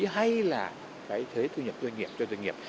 hay là cái thuế thu nhập doanh nghiệp cho doanh nghiệp